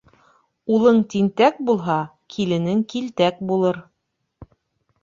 Улын тинтәк булһа, киленең килтәк булыр.